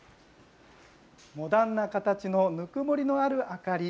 モダンな形のぬくもりのある明かり。